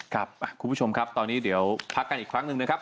คุณผู้ชมครับตอนนี้เดี๋ยวพักกันอีกครั้งหนึ่งนะครับ